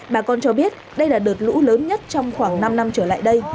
bà con cho biết đây là đợt lũ lớn nhất trong khoảng năm năm trở lại đây